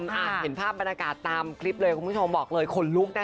เห็นภาพบรรยากาศตามคลิปเลยคุณผู้ชมบอกเลยขนลุกนะคะ